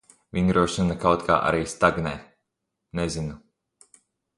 Vingrošana kaut kā arī stagnē. Nezinu...